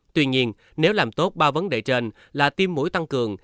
tuy nhiên nếu làm tốt ba vấn đề trên là tiêm mũi tăng cường